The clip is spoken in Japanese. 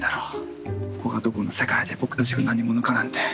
ここがどこの世界で僕たちが何者かなんて。